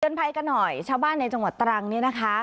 เตือนภัยกะหน่อยชาวบ้านในจังหวัดตรังนี้นะคะ